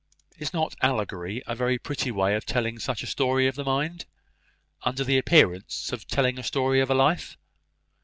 "Is not allegory a very pretty way of telling such a story of the mind, under the appearance of telling a story of a life?"